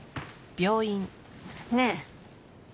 ねえ。